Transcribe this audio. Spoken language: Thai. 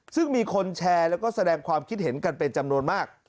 ซึ่งมีคนแชร์แล้วก็แสดงความคิดเห็นกันเป็นจำนวนมาก